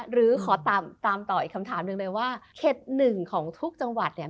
หรือขอตามต่ออีกคำถามหนึ่งเลยว่าเข็ดหนึ่งของทุกจังหวัดเนี่ย